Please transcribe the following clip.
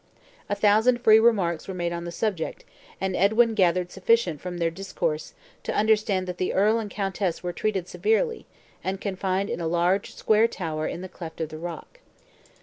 A thousand free remarks were made on the subject, and Edwin gathered sufficient from the discourse, to understand that the earl and countess were treated severely, and confined in a large, square tower in the cleft of the rock.